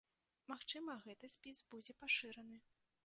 Магчыма, гэты спіс будзе пашыраны.